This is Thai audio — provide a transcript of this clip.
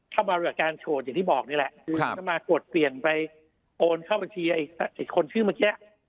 เข้ามาหรือการโฉดอย่างที่บอกนี่แหละคือมันก็มากรวดเปลี่ยนไปโอนเข้าบัญชีไอ้คนชื่อเมื่อแค่